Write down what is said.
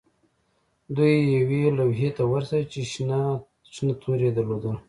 دوی یوې لوحې ته ورسیدل چې شنه توري یې درلودل